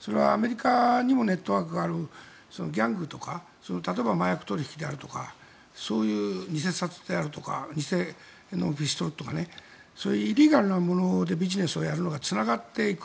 それはアメリカにもネットワークがあるギャングとか例えば、麻薬取引であるとかそういう偽札であるとか偽のピストルであるとかそういうイリーガルなものでビジネスをやるのがつながっていく。